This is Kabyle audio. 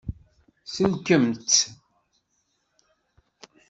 Sellkemt-t.